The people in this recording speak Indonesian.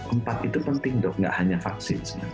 empat itu penting dok nggak hanya vaksin